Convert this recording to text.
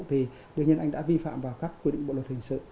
thì đương nhiên anh đã vi phạm vào các quy định bộ luật hình sự